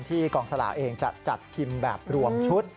กองสลากเองจะจัดพิมพ์แบบรวมชุด